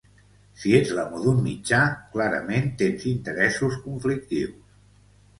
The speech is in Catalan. Si ets l’amo d’un mitjà clarament tens interessos conflictius.